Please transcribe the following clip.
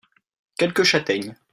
Quelques châtaignes.